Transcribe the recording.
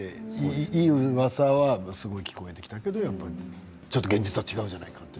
いいうわさはすごく聞こえてきたけどちょっと現実は違うじゃないかと。